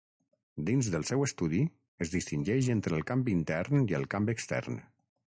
Dins del seu estudi, es distingeix entre el camp intern i el camp extern.